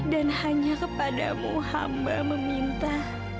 dan hanya kepadamu hamba meminta